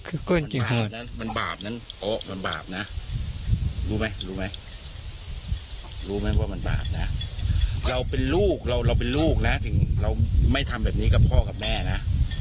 เราเป็นลูกเราเป็นลูกนะถึงเราไม่ทำแบบนี้กับพ่อกับแม่นะ